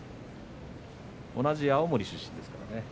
同じ青森出身ですからね。